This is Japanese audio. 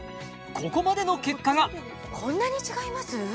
ここまでの結果がこんなに違います？